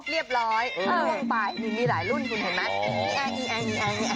เรียบร้อยทำเลี่ยงไปนี่มีหลายรุ่นคุณเห็นไหม